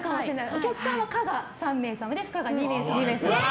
お客さんは可が３名様で不可が２名様。